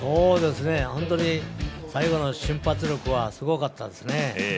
本当に最後の瞬発力はすごかったですね。